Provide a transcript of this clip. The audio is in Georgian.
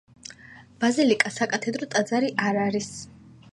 ბაზილიკა საკათედრო ტაძარი არ არის.